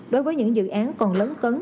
đối với những dự án còn lấn cấn